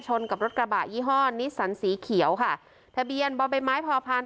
กับรถกระบะยี่ห้อนิสสันสีเขียวค่ะทะเบียนบ่อใบไม้พอพาน